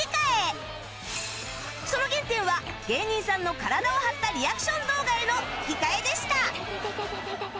その原点は芸人さんの体を張ったリアクション動画への吹き替えでした